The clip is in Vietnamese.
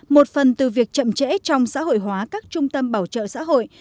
một phần từ việc chậm trễ trong xã hội hóa các trung tâm bảo trợ xã hội